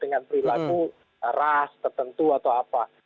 dengan perilaku ras tertentu atau apa